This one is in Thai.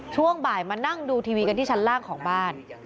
ช่วงบ่ายมานั่งดูทีวีกันที่ชั้นล่างของบ้าน